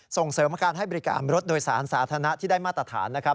ส่งเสริมการให้บริการรถโดยสารสาธารณะที่ได้มาตรฐานนะครับ